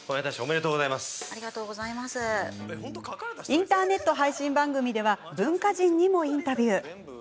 インターネット配信番組では文化人にもインタビュー。